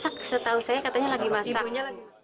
lagi masak setahu saya katanya lagi masak